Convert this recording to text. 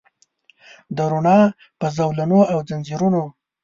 د روڼا په زولنو او ځنځیرونو